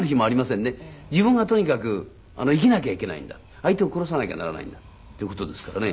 自分がとにかく生きなきゃいけないんだ相手を殺さなきゃならないんだという事ですからね。